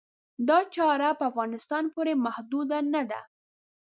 دا چاره په افغانستان پورې محدوده نه ده.